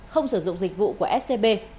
không sử dụng dịch vụ của scb